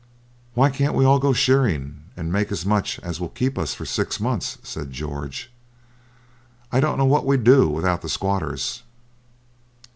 'Why can't we all go shearing, and make as much as will keep us for six months?' said George. 'I don't know what we'd do without the squatters.'